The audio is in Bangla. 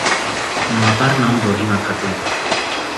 মাতার নাম রহিমা খাতুন।